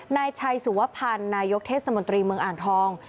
นายชัยสุวพันธ์นายกเทศมนตรีเมืองอ่างทอง